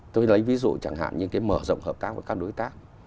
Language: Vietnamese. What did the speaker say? tôi lấy ví dụ chẳng hạn như cái mở rộng hợp tác với các đối tác